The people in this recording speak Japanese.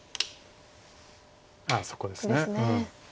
ああそこです。